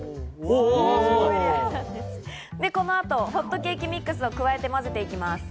で、この後、ホットケーキミックスを加えて混ぜていきます。